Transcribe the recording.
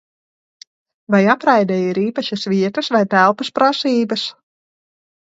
Vai apraidei ir īpašas vietas vai telpas prasības?